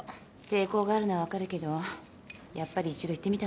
抵抗があるのは分かるけどやっぱり一度行ってみた方がいいと思うの。